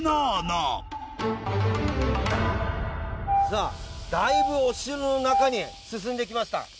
さあだいぶお城の中に進んできました。